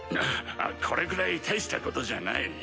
これくらい大したことじゃない。